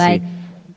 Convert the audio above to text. sudah cukup baik